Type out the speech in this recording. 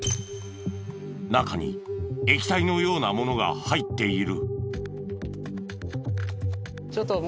中に液体のようなものが入っている。